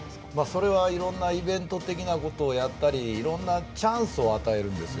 それは、いろんなイベント的なことをやったりいろんなチャンスを与えるんです。